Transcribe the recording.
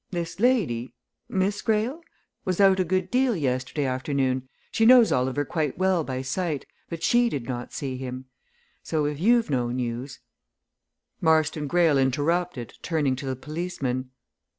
This lady Miss Greyle? was out a good deal yesterday afternoon; she knows Oliver quite well by sight, but she did not see him. So if you've no news " Marston Greyle interrupted, turning to the policeman.